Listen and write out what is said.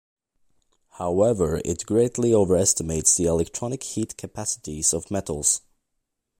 However, it greatly overestimates the electronic heat capacities of metals.